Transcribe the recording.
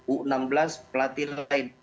u enam belas pelatih lain